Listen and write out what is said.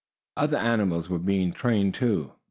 Other animals were being trained, too.